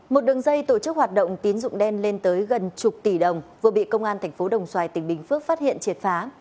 một đường dây tổ chức hoạt động tín dụng đen lên tới gần chục tỷ đồng vừa bị công an thành phố đồng xoài tỉnh bình phước phát hiện triệt phá